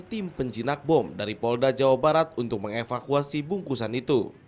tim penjinak bom dari polda jawa barat untuk mengevakuasi bungkusan itu